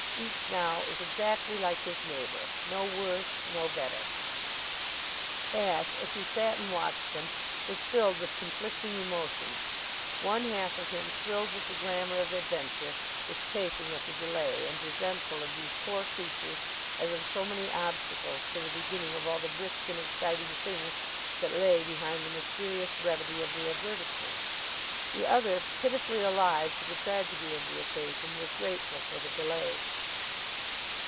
Each now is exactly like his neighbor no worse; no better. Ashe, as he sat and watched them, was filled with conflicting emotions. One half of him, thrilled with the glamour of adventure, was chafing at the delay, and resentful of these poor creatures as of so many obstacles to the beginning of all the brisk and exciting things that lay behind the mysterious brevity of the advertisement; the other, pitifully alive to the tragedy of the occasion, was grateful for the delay.